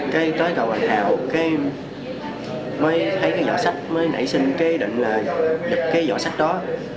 khi tới cầu bạch hào mới thấy cái giỏ sách mới nảy sinh kế định là giật cái giỏ sách đó